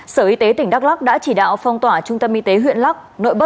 sở y tế tỉnh đắk lắc đã chỉ đạo phong tỏa trung tâm y tế huyện lắc nội